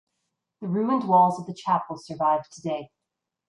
The ruined walls of the Chapel survive today.